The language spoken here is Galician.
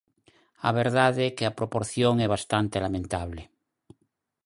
A verdade é que a proporción é bastante lamentable.